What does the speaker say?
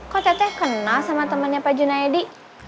kok teteh kenal sama temennya pak junaedi